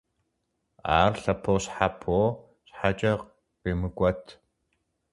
Ар лъэпощхьэпо щхьэкӀэ къимыкӀуэт.